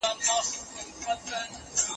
د هندۍ ښځې نامه په دلارام کي د ابد لپاره پاتې سوه